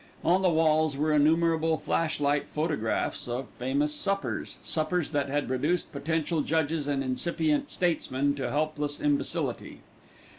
On the walls were innumerable flashlight photographs of famous suppers, suppers that had reduced potential judges and incipient statesmen to helpless imbecility.